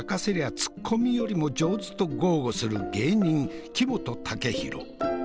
ツッコミよりも上手と豪語する芸人木本武宏。